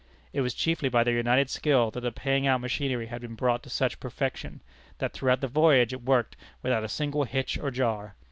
It was chiefly by their united skill that the paying out machinery had been brought to such perfection, that throughout the voyage it worked without a single hitch or jar.